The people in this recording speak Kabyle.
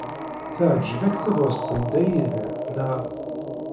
Teɛjeb-ak tebɣest n Dda Yidir, naɣ?